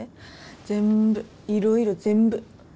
全部いろいろ全部。